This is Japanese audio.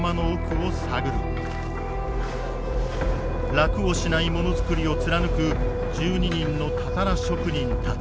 楽をしないものづくりを貫く１２人のたたら職人たち。